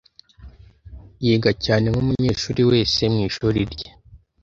Yiga cyane nkumunyeshuri wese mwishuri rye.